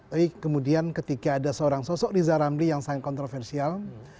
tapi kemudian ketika ada seorang sosok riza ramli yang sangat kontroversial